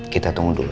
kita tunggu dulu